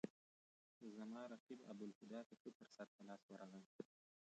زما رقیب ابوالهدی ته ښه فرصت په لاس ورغی.